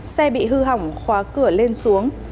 xe bị hư hỏng khóa cửa lên xuống